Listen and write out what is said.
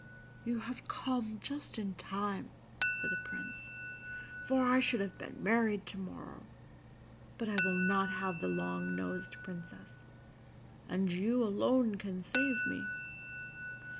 "You have come just in time," said the Prince, "for I should have been married to morrow; but I will not have the long nosed Princess, and you alone can save me.